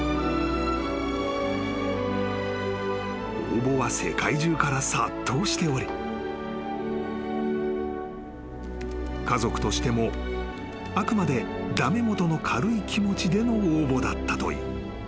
［応募は世界中から殺到しており家族としてもあくまで駄目もとの軽い気持ちでの応募だったという］